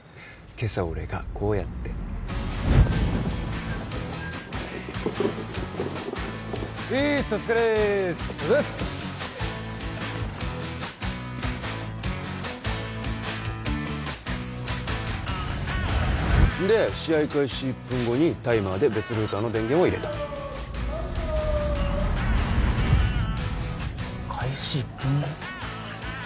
今朝俺がこうやってういーっすお疲れお疲れっすんで試合開始１分後にタイマーで別ルーターの電源を入れた開始１分後？